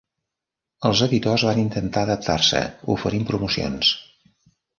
Els editors van intentar adaptar-se oferint promocions.